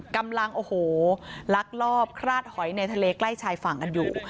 กำลังโอ้โหลักลอบคราดหอยในทะเลใกล้ชายฝั่งกันอยู่